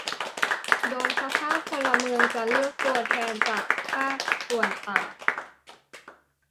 โดยสภาพลเมืองจะเลือกตัวแทนจากภาคส่วนต่าง